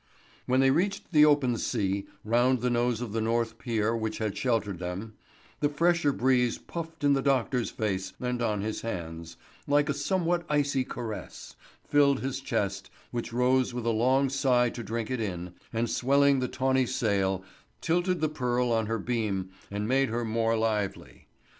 When they reached the open sea, round the nose of the north pier which had sheltered them, the fresher breeze puffed in the doctor's face and on his hands, like a somewhat icy caress, filled his chest, which rose with a long sigh to drink it in, and swelling the tawny sail, tilted the Pearl on her beam and made her more lively.